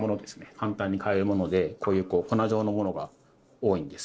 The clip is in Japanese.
簡単に買えるものでこういう粉状のものが多いんです。